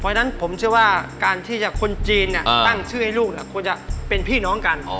เพราะฉะนั้นผมเชื่อว่าการที่คนจีนตั้งชื่อให้ลูกควรจะเป็นพี่น้องกัน